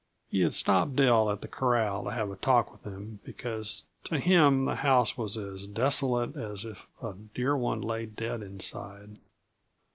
He had stopped Dill at the corral to have a talk with him, because to him the house was as desolate as if a dear one lay dead inside.